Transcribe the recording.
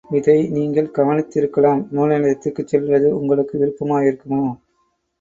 இதை நீங்கள் கவனித்திருக்கலாம் நூல்நிலையத்திற்குச் செல்வது உங்களுக்கு விருப்பமாயிருக்குமோ?